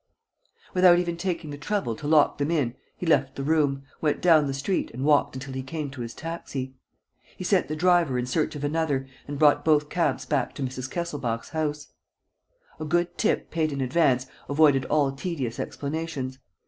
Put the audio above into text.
Without even taking the trouble to lock them in, he left the room, went down the street and walked until he came to his taxi. He sent the driver in search of another and brought both cabs back to Mrs. Kesselbach's house. A good tip, paid in advance, avoided all tedious explanations.